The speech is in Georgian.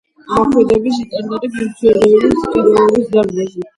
მოქმედებს ინტერნეტი, ფუნქციონირებს ჭიდაობის დარბაზი.